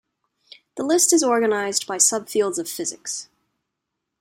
The list is organized by subfields of physics.